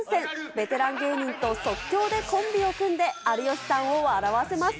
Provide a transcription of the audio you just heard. ベテラン芸人と即興でコンビを組んで、有吉さんを笑わせます。